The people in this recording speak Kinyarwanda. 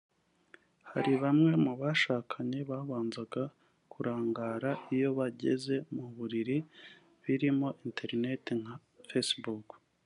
hari bamwe mu bashakanye babanza kurangara iyo bageze mu buriri birimo ‘internet’ (nka ‘Facebook’)